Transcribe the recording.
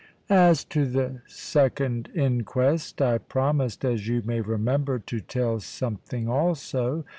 As to the second inquest, I promised (as you may remember) to tell something also.